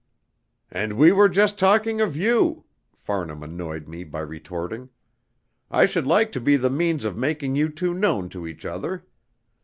"And we were just talking of you," Farnham annoyed me by retorting. "I should like to be the means of making you two known to each other.